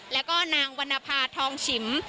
และก็นางวันนภาทองฉิม